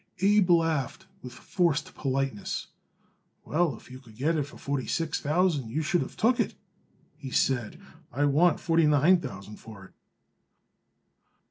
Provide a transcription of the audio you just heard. Abe laughed with forced politeness. "Well, if you could of got it for forty six thousand you should of took it," he said. "I want forty nine thousand for it."